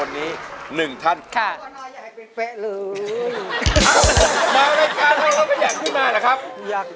เพลงนี้อยู่ในอาราบัมชุดแรกของคุณแจ็คเลยนะครับ